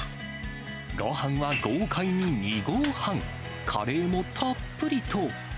ごはんは豪快に２合半、カレーもたっぷりと。